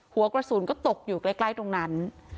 หัวกระสุนก็ตกอยู่ใกล้ตรงนั้น